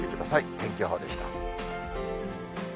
天気予報でした。